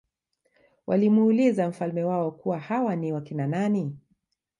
walimuuliza mfalme wao kuwa hawa ni wakina nani